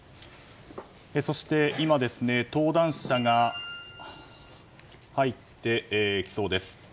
そして今、登壇者が入ってきそうです。